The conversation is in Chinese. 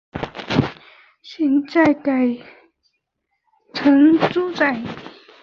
现在则改建成住宅。